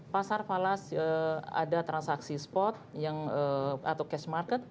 pasar falas ada transaksi spot atau cash market